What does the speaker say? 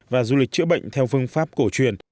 và du lịch chữa bệnh theo phương pháp cổ truyền